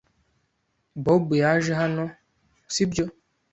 Bob yaje hano, si byo?